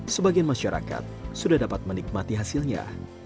sebagian masyarakat sudah dapat menikmati hasilnya